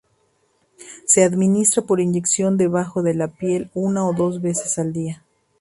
Se administra por inyección debajo de la piel una o dos veces al día.